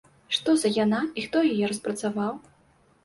Што за яна і хто яе распрацоўваў?